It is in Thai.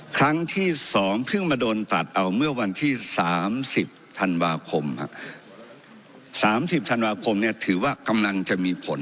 ครั้งที่๒เพิ่งมาโดนตัดเอาเมื่อวันที่๓๐ธันวาคมฮะ